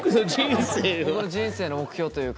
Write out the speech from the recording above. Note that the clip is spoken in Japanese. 僕の人生の目標というか。